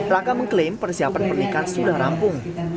raka mengklaim persiapan pernikahan sudah rampung